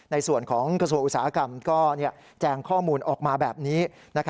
ในส่วนของกระทรวงอุตสาหกรรมก็แจงข้อมูลออกมาแบบนี้